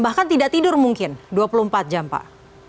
bahkan tidak tidur mungkin dua puluh empat jam pak